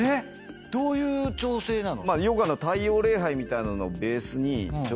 どういう調整なの？